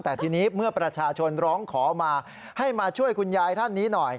แต่ทีนี้เมื่อประชาชนร้องขอมาให้มาช่วยคุณยายท่านนี้หน่อย